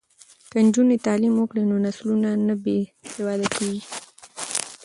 که نجونې تعلیم وکړي نو نسلونه نه بې سواده کیږي.